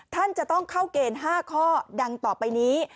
ท่านจะต้องเข้าเกณฑ์๕ข้อดังต่อไปนี้